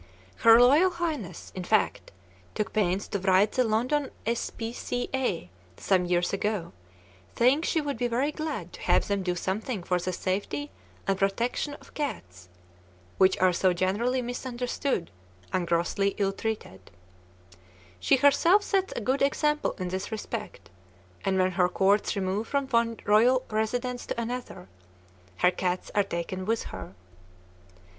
Her Royal Highness, in fact, took pains to write the London S.P.C.A. some years ago, saying she would be very glad to have them do something for the safety and protection of cats, "which are so generally misunderstood and grossly ill treated." She herself sets a good example in this respect, and when her courts remove from one royal residence to another, her cats are taken with her.